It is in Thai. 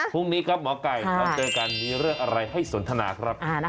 พรุ่งนี้ครับหมอไก่เราเจอกันมีเรื่องอะไรให้สนทนาครับ